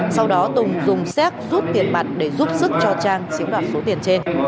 sau đó tùng dùng xét rút tiền mặt để giúp sức cho trang chiếm đoạt số tiền trên